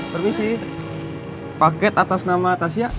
permisi paket atas nama tasya